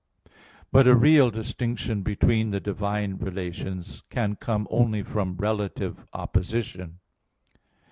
But a real distinction between the divine relations can come only from relative opposition.